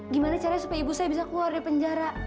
gimana caranya supaya ibu saya bisa keluar dari penjara